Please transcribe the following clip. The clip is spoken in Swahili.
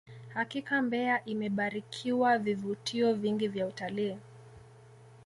hakika mbeya imebarikiwa vivutio vingi vya utalii